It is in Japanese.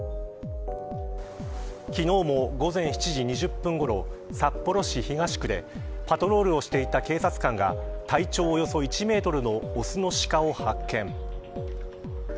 昨日も、午前７時２０分ごろ札幌市東区でパトロールをしていた警察官が体長およそ１メートルの雄のシカを発見。